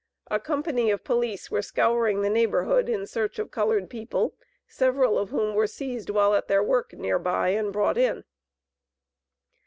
A company of police were scouring the neighborhood in search of colored people, several of whom were seized while at their work near by, and brought in.